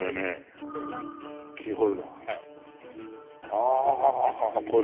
ああこれ。